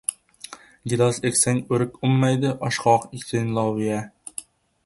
• Gilos eksang o‘rik unmaydi, oshqovoq eksang — loviya.